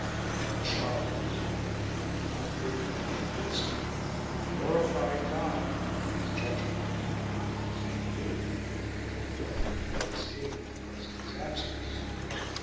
Then Charles, the uncon quered and the invincible, glorified God for His judgment ; but complained bitterly that any of the Northmen had escaped because of his absence.